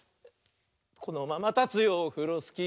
「このままたつよオフロスキー」